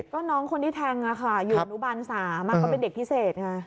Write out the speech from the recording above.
ก็น้องคนที่แทงค่ะอยู่อุบันศาสตร์มันก็เป็นเด็กพิเศษค่ะ